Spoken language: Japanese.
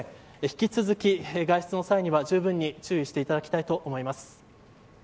引き続き外出の際には、十分に注意していただきたいと思います。